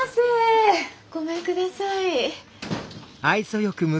ごめんください。